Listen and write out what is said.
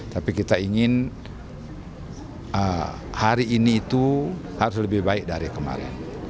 tapi kita ingin hari ini itu harus lebih baik dari kemarin